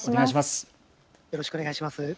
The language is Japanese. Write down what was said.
よろしくお願いします。